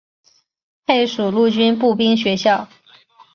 配属陆军步兵学校。